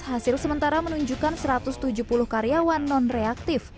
hasil sementara menunjukkan satu ratus tujuh puluh karyawan non reaktif